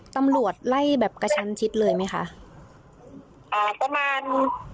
ตำรวจไล่แบบกระชันชิดเลยไหมคะอ่าประมาณ